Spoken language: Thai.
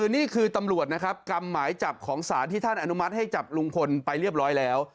นี่คือตำรวจนะครับกรรมหมายจับของศาลที่ท่านอนุมัติให้จับลุงพลไปเรียบร้อยแล้ว